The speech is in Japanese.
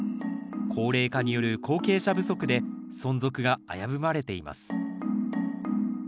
高齢化による後継者不足で存続が危ぶまれています。